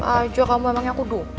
cepet aja kamu emangnya aku dokon apa